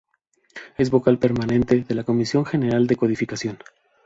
Es Vocal permanente de la Comisión General de Codificación.